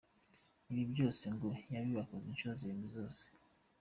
Ibi byose, ngo yabibakoze inshuro zirindwi zose.